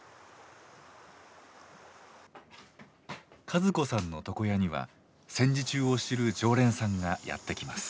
和子さんの床屋には戦時中を知る常連さんがやって来ます。